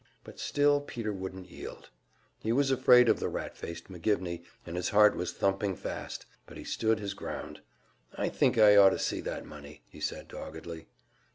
But still Peter wouldn't yield. He was afraid of the rat faced McGivney, and his heart was thumping fast, but he stood his ground. "I think I ought to see that money," he said, doggedly.